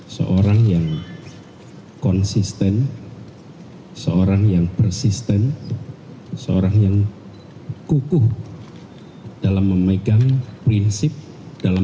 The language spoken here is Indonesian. seorang yang konsisten seorang yang persisten seorang yang kukuh dalam memegang prinsip dalam